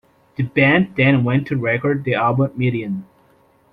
The band then went to record the album "Midian".